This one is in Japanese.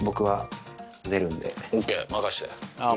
ＯＫ任して。